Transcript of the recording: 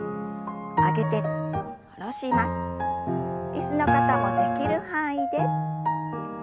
椅子の方もできる範囲で。